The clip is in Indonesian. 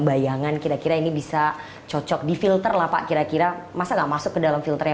bayangan kira kira ini bisa cocok di filter lah pak kira kira masa nggak masuk ke dalam filternya